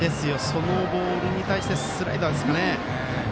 そのボールに対してスライダーですかね。